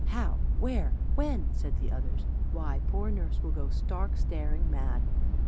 "How! where! when!" said the others. "Why, poor nurse will go stark, staring mad!"